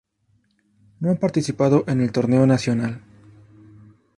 No ha participado en el Torneo Nacional.